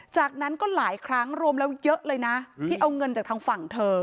จากนั้นก็หลายครั้งรวมแล้วเยอะเลยนะที่เอาเงินจากทางฝั่งเธอ